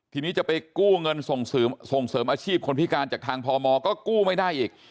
ทีนี้จะไปกู้เงินส่งเสริมอาชีพคนพิการจากทางพมก็กู้ไม่ได้อีก